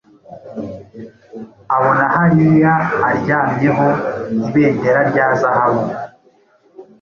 Abona hariya aryamyeho ibendera rya zahabu